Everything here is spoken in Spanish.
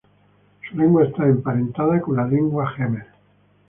Su lengua está emparentada con la lengua jemer.